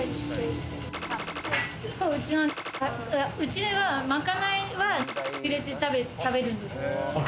うちでは、まかないは○○入れて食べるんですよ。